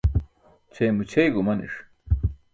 Ćʰeymo ćʰey gumaniṣ.